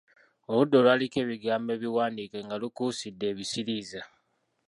Oludda olwaliko ebigambo ebiwandiike nga lukuusidde ebisiriiza.